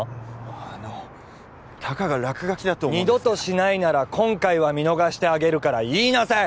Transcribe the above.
あのたかが落書きだと二度としないなら今回は見逃してあげるから言いなさい！